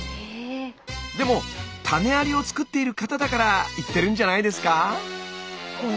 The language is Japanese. でも種ありを作っている方だから言ってるんじゃないですか？